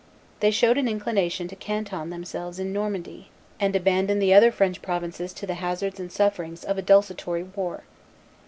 They showed an inclination to canton themselves in Normandy, and abandon the other French provinces to the hazards and sufferings of a desultory war.